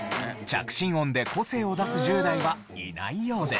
着信音で個性を出す１０代はいないようです。